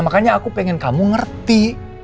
makanya aku pengen kamu ngerti